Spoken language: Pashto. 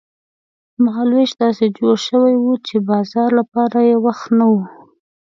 مهال وېش داسې جوړ شوی و چې د بازار لپاره یې وخت نه و.